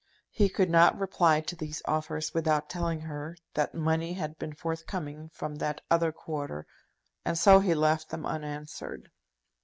He could not reply to these offers without telling her that money had been forthcoming from that other quarter, and so he left them unanswered.